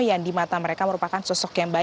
yang di mata mereka merupakan sosok yang baik